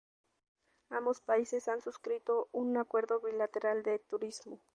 Ambos países han suscrito un acuerdo bilateral de turismo.